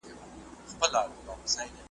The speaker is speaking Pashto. په سینه او ټول وجود کي یې سوې څړیکي `